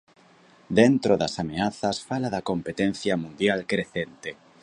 Dentro das ameazas, fala da competencia mundial crecente.